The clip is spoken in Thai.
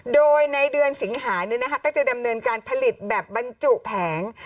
โดยในเดือนสิงหาก็จะดำเนินการผลิตแบบบรรจุแผง